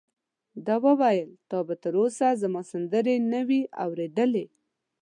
ده وویل: تا به تر اوسه زما سندرې نه وي اورېدلې؟